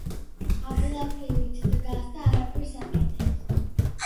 აბლაყივით დგას და არაფერს აკეთებს.